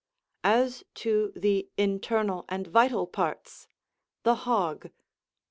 as to the internal and vital parts, the hog.